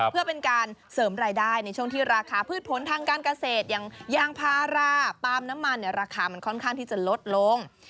เพื่อเป็นการเสริมรายได้ในช่วงที่ราคาพืชผลทางการเกษตรอย่างยางพาราปาล์มน้ำมันเนี่ยราคามันค่อนข้างที่จะลดลง